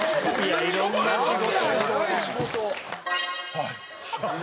はい。